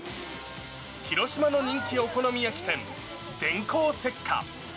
広島の人気お好み焼き店、電光石火。